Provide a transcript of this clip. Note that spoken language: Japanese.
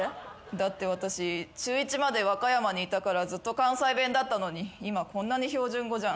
だって私中１まで和歌山にいたからずっと関西弁だったのに今こんなに標準語じゃん。